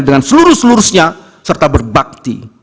dengan seluruh seluruhnya serta berbakti